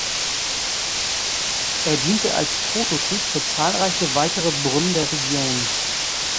Er diente als Prototyp für zahlreiche weitere Brunnen der Region.